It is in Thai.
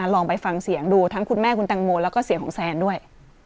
ลองไปฟังเสียงดูทั้งคุณแม่คุณตังโมแล้วก็เสียงของแซนด้วย